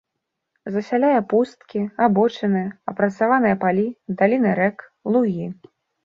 Засяляе пусткі, абочыны, апрацаваныя палі, даліны рэк, лугі.